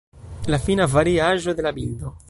La fina variaĵo de la bildo.